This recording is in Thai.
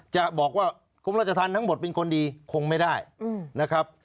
จะบอกว่ากรมราชธรรมทั้งหมดเป็นคนดีคงไม่ได้นะครับ